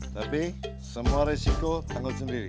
tapi semua risiko tanggung sendiri